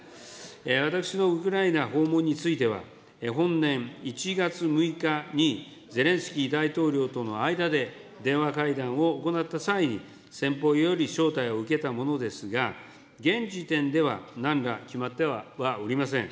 私のウクライナ訪問については、本年１月６日にゼレンスキー大統領との間で、電話会談を行った際に、先方より招待を受けたものですが、現時点では、なんら決まってはおりません。